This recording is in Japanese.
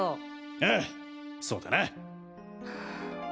ああそうだな。